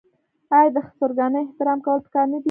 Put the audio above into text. آیا د خسرګنۍ احترام کول پکار نه دي؟